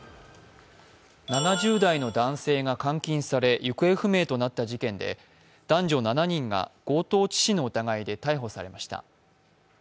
７０代の男性が監禁され行方不明となった事件で男女７人が強盗致死の疑いで逮捕されました。